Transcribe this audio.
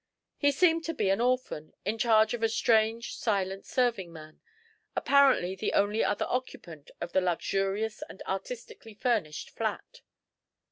He seemed to be an orphan, in charge of a strange, silent serving man, apparently the only other occupant of the luxurious and artistically furnished flat.